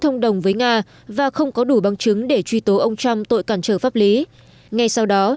thông đồng với nga và không có đủ bằng chứng để truy tố ông trump tội cản trở pháp lý ngay sau đó